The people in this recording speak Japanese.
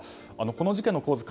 この事件の構図